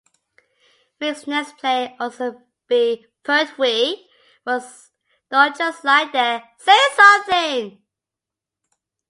Rix's next play, also by Pertwee, was Don't Just Lie There, Say Something!